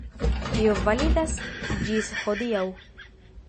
Tio validas ĝis hodiaŭ.